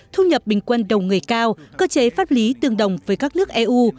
thu nhập bình quân đầu người cao cơ chế pháp lý tương đồng với các nước eu